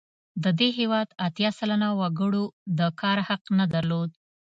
د دې هېواد اتیا سلنه وګړو د کار حق نه درلود.